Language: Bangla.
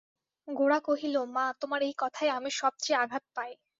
গোরা কহিল, মা, তোমার এই কথায় আমি সব চেয়ে আঘাত পাই।